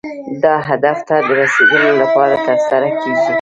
دا هدف ته د رسیدو لپاره ترسره کیږي.